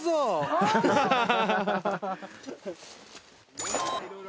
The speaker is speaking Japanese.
ハハハハ。